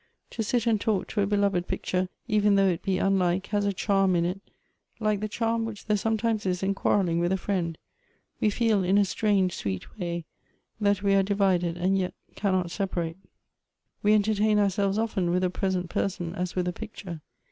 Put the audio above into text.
To sit and talk to a belov^ picture, even though it be unlike, has a charm in it, like the charm which there sometimes is in quarrelling with a friend. We feel, in a strange sweet way, that we are divided and yet cannot separate." " We entertain ourselves often with a present person as with a picture.